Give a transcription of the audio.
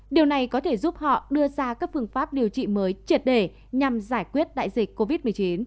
điều này có thể giúp họ đưa ra các phương pháp điều trị mới triệt để nhằm giải quyết đại dịch covid một mươi chín